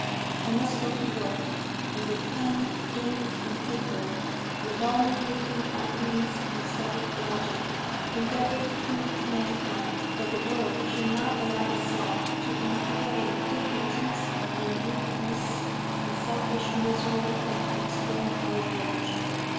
I must go to work, and with pen, ink, and paper, with long written arguments and studied logic, endeavour to prove to mankind that the world should not allow itself to endure the indignities, and weakness, and selfish misery of extreme old age.